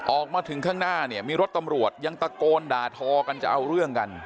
ออกมาถึงข้างหน้าเนี่ยมีรถตำรวจยังตะโกนด่าทอกันจะเอาเรื่องกัน